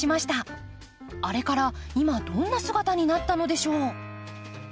あれから今どんな姿になったのでしょう？